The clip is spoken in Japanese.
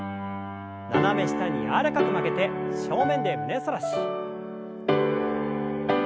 斜め下に柔らかく曲げて正面で胸反らし。